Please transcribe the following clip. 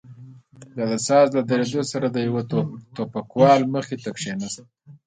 بيا د ساز له درېدو سره د يوه ټوپکوال مخې ته کښېناست.